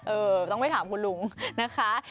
เออต้องไปถามคุณลุงนะคะ